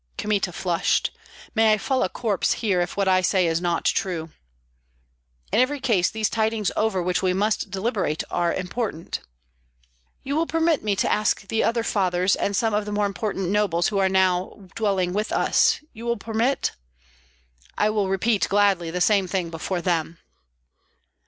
Kmita flushed. "May I fall a corpse here if what I say is not true." "In every case these tidings over which we must deliberate are important." "You will permit me to ask the older fathers and some of the more important nobles who are now dwelling with us. You will permit, " "I will repeat gladly the same thing before them."